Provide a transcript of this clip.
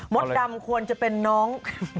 ดำควรจะเป็นน้อง